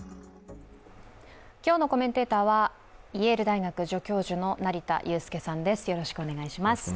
今日のコメンテーターはイェール大学助教授の成田悠輔さんです。